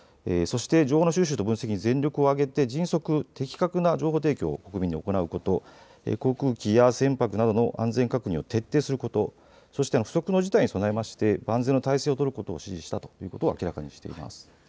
そして情報の収集と分析に全力を挙げて迅速、的確な情報提供を行うこと、航空機や船舶などの安全確認を徹底すること、不測の事態に備えまして万全の態勢を取ることを指示したということを明らかにしています。